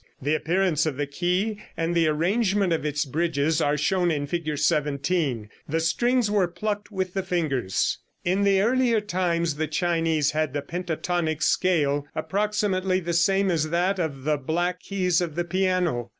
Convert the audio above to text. The appearance of the ke and the arrangement of its bridges are shown in Fig. 17. The strings were plucked with the fingers. In the earlier times the Chinese had the pentatonic scale, approximately the same as that of the black keys of the piano.